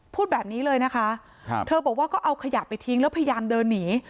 พูดแบบนี้เลยนะคะเธอบอกว่าก็เอาขยะไปทิ้งแล้วพยายามเดินหนี